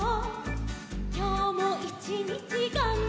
「きょうもいちにちがんばった」